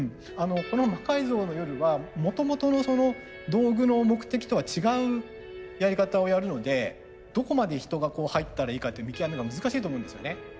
この「魔改造の夜」はもともとの道具の目的とは違うやり方をやるのでどこまで人が入ったらいいかっていう見極めが難しいと思うんですよね。